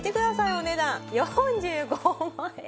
お値段４５万円。